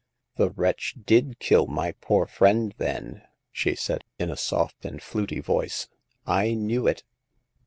The wretch did kill my poor friend, then, she said in a soft and fluty voice. I knew it